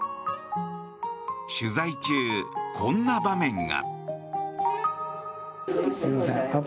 取材中、こんな場面が。